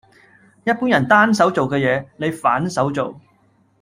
一般人單手做嘅嘢，你反手做